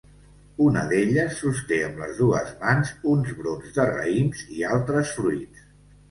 Una d'elles sosté amb les dues mans uns brots de raïms i altres fruits.